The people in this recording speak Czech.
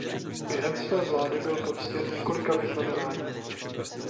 Během své vlády byl poctěn několika vyznamenáními.